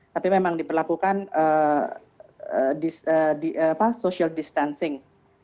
tapi memang diperlakukan social distancing